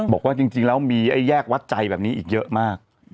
บอกว่าจริงแล้วมีแยกวัดใจแบบนี้อีกเยอะมาก